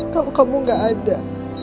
kalo kamu gak ada